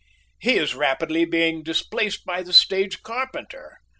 He is rapidly being displaced by the stage carpenter.